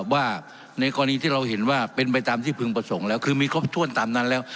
ว่าในกรณีที่เราเห็นว่าเป็นไปตามที่พึงประสงค์แล้วคือมีครบถ้วนตามนั้นแล้ว